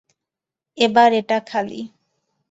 এবার এটা খালি।